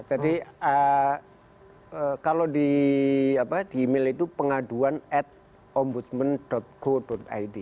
jadi kalau di email itu pengaduan at ombudsman go id